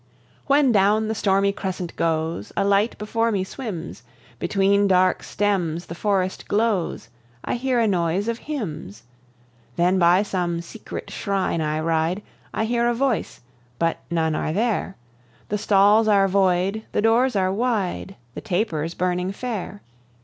When down the stormy crescent goes, A light before me swims, Between dark stems the forest glows, I hear a noise of hymns: Then by some secret shrine I ride; I hear a voice, but none are there; The stalls are void, the doors are wide, The tapers burning fair.